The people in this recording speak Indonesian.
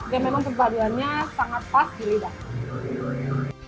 dan memang perpaduannya sangat pas di lidah